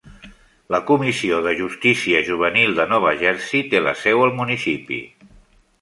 La Comissió de Justícia Juvenil de Nova Jersey té la seu al municipi.